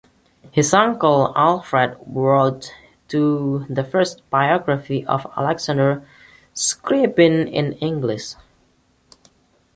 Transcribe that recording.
His uncle Alfred wrote the first biography of Alexander Scriabin in English.